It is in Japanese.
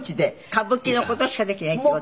歌舞伎の事しかできないって事？